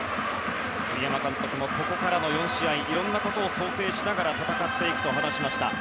栗山監督もここからの４試合いろんなことを想定して戦っていくと話しました。